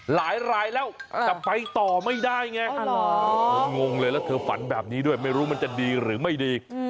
หลายรายแล้วแต่ไปต่อไม่ได้ไงเธองงเลยแล้วเธอฝันแบบนี้ด้วยไม่รู้มันจะดีหรือไม่ดี